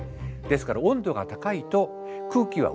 ですから温度が高いと空気は薄くなる。